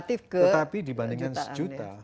tetapi dibandingkan satu juta